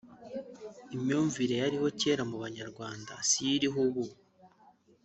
Imyumvire yariho kera mu Banyarwanda siyo iriho ubu